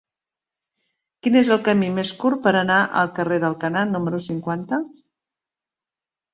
Quin és el camí més curt per anar al carrer d'Alcanar número cinquanta?